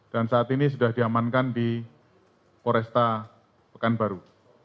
dan saat ini sudah diamankan di koresta pekanbaru